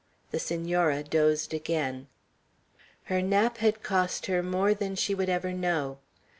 The Senora dozed again. Her nap had cost her more than she would ever know.